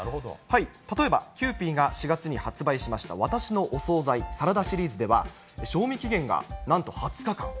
例えばキユーピーが４月に発売しました、わたしのお惣菜サラダシリーズでは、賞味期限がなんと２０日間。